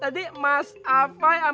tadi mas apa yang